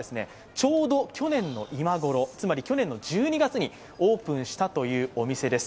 ちょうど去年の今ごろつまり去年の１２月にオープンしたというお店です。